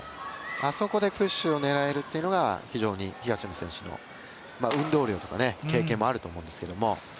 あそこでプッシュを狙えるっていうのが非常に東野選手の運動量とか、経験もあると思うんですけど。